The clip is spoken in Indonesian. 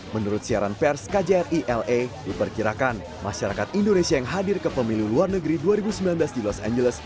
menurut siaran pers kjri la diperkirakan masyarakat indonesia yang hadir ke pemilu luar negeri dua ribu sembilan belas di los angeles